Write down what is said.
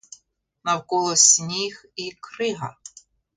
Навколо сніг і крига.